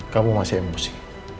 kamu masih emosi